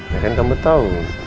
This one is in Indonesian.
ya kan kamu tau